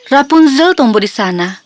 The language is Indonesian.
rapunzel tumbuh di sana